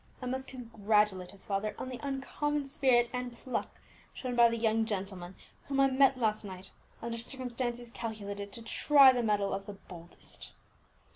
"I must congratulate his father on the uncommon spirit and pluck shown by the young gentleman whom I met last night, under circumstances calculated to try the mettle of the boldest."